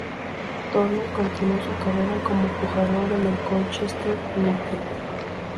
Turner continuó su carrera como jugador en el Colchester United.